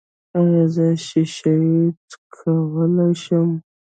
ایا زه شیشې څکولی شم؟